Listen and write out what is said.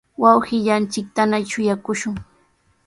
wawqillanchiktana shuyaakushun.